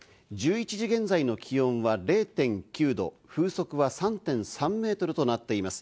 １１時現在の気温は０．９度、風速は３．３メートルとなっています。